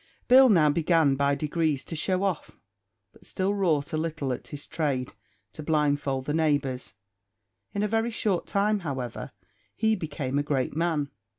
Bill now began by degrees to show off; but still wrought a little at his trade to blindfold the neighbours. In a very short time, however, he became a great man.